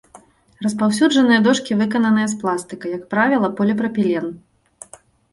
Распаўсюджаныя дошкі выкананыя з пластыка, як правіла, поліпрапілен.